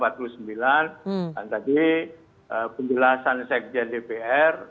dan tadi penjelasan sekjen dpr